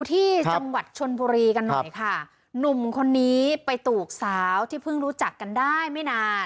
ที่จังหวัดชนบุรีกันหน่อยค่ะหนุ่มคนนี้ไปตูกสาวที่เพิ่งรู้จักกันได้ไม่นาน